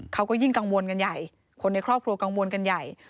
เขาก็ยิ่งกังวลกันใหญ่คนในครอบครัวกังวลกันใหญ่